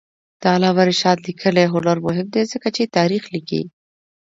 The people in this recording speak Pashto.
د علامه رشاد لیکنی هنر مهم دی ځکه چې تاریخ لیکي.